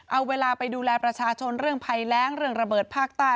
เอาเวลาไปดูแลประชาชนเรื่องภัยแรงเรื่องระเบิดภาคใต้